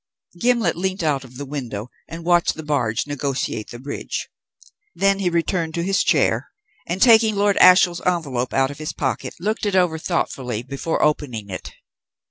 Gimblet leant out of the window and watched the barge negotiate the bridge. Then he returned to his chair, and taking Lord Ashiel's envelope out of his pocket looked it over thoughtfully before opening it.